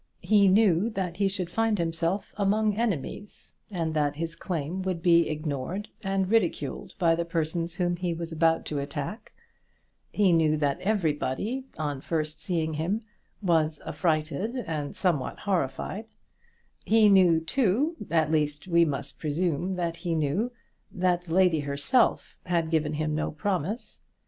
He knew that he should find himself among enemies, and that his claim would be ignored and ridiculed by the persons whom he was about to attack; he knew that everybody, on first seeing him, was affrighted and somewhat horrified; he knew too, at least, we must presume that he knew, that the lady herself had given him no promise.